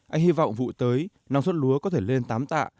anh hy vọng vụ tới năng suất lúa có thể lên tám tạ